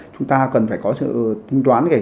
chúng ta cần phải có sự tính toán